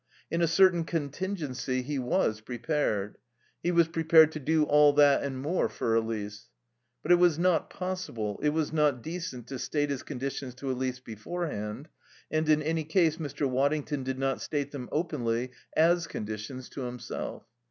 In a certain contingency he was prepared. He was prepared to do all that and more for Elise. But it was not possible, it was not decent to state his conditions to Elise beforehand, and in any case Mr. Waddington did not state them openly as conditions to himself.